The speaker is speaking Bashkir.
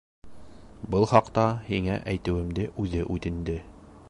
Был хаҡта һиңә әйтеүемде үҙе үтенде.